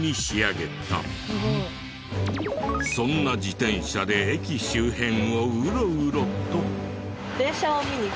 そんな自転車で駅周辺をウロウロと。